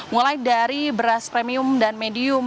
mulai dari beras premium dan medium